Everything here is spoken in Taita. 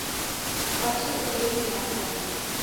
Kwaki ubeng'iaa w'andu?